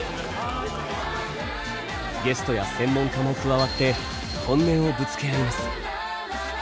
ゲストや専門家も加わって本音をぶつけ合います。